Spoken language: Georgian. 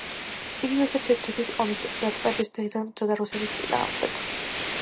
იგი რუსეთ-ჩეჩნეთის ომის დაწყების დღიდან იბრძოდა რუსეთის წინააღმდეგ.